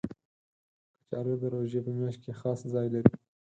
کچالو د روژې په میاشت کې خاص ځای لري